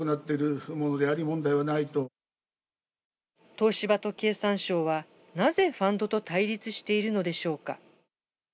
東芝と経産省はなぜファンドと対立しているのでしょうか。